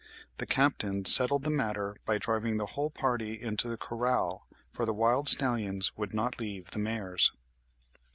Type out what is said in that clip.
The capitan settled the matter by driving the whole party into the corral, for the wild stallions would not leave the mares."